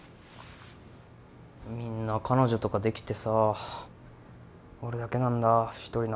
みんな彼女とかできてさ俺だけなんだ一人なの。